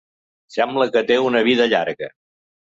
Sembla que té una vida llarga.